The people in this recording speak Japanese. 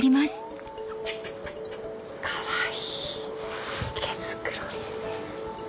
かわいい毛繕いしてる。